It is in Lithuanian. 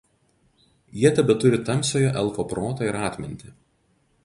Jie tebeturi tamsiojo elfo protą ir atmintį.